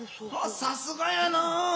さすがやな。